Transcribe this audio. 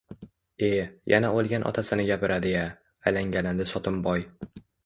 E, yana oʻlgan otasini gapiradi-ya, – alangalandi Sotimboy.